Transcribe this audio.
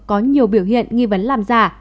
có nhiều biểu hiện nghi vấn làm giả